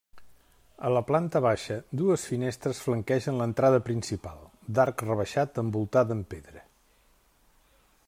A la planta baixa, dues finestres flanquegen l’entrada principal, d’arc rebaixat envoltada en pedra.